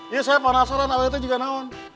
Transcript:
ya saya penasaran awal itu juga naon